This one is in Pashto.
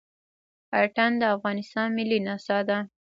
اتڼ د افغانستان ملي نڅا ده.